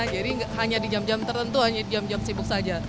jadi hanya di jam jam tertentu hanya di jam jam sibuk saja